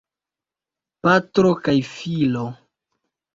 Patro kaj filo.